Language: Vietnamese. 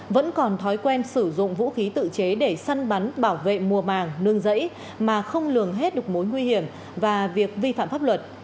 vẫn còn thói quen sử dụng vũ khí tự chế để săn bắn bảo vệ mùa màng nương dẫy mà không lường hết được mối nguy hiểm và việc vi phạm pháp luật